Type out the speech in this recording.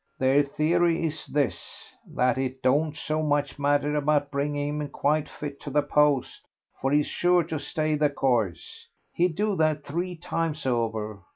Their theory is this, that it don't so much matter about bringing him quite fit to the post, for he's sure to stay the course; he'd do that three times over.